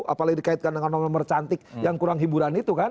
apalagi dikaitkan dengan nomor nomor cantik yang kurang hiburan itu kan